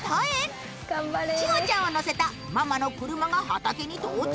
千穂ちゃんを乗せたママの車が畑に到着。